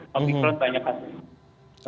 covid sembilan belas banyak kasusnya